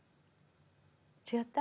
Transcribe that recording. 違った？